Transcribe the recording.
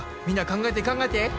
みんな考えて考えて！